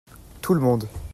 tout le monde.